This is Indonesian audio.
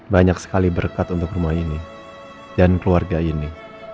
banyak sekali berkat untuk rumah ini dan keluarga ini